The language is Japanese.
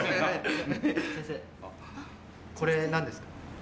先生これ何ですか？